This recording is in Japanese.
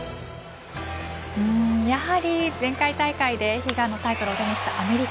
やはり前回大会で悲願のタイトルを手にしたアメリカ。